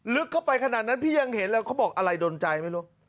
ลึกเข้าไปขนาดนั้นพี่ยังเห็นแล้วเขาบอกอะไรดนใจไม่รู้